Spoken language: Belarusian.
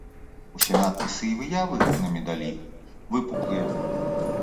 Усе надпісы і выявы на медалі выпуклыя.